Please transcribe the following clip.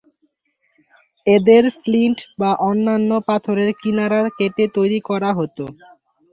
এদের ফ্লিন্ট বা অন্যান্য পাথরের কিনারা কেটে তৈরি করা হতো।